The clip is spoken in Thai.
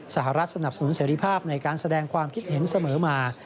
สหรัฐสนับสนุนเสรีภาพในการแสดงความคิดเห็นเสมอมา